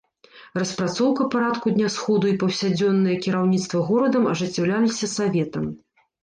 Распрацоўка парадку дня сходу і паўсядзённае кіраўніцтва горадам ажыццяўляліся саветам.